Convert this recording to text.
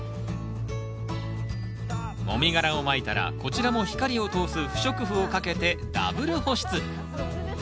もみ殻をまいたらこちらも光を通す不織布をかけてダブル保湿。